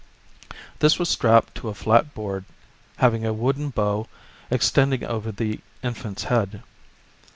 This was strapped to a flat board having a wooden bow ex tending over the infant's head.